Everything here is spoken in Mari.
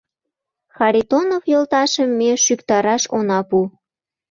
Харитонов йолташым ме шӱктараш она пу.